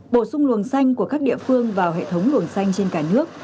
bổ sung luồng xanh của các địa phương vào hệ thống luồng xanh trên cả nước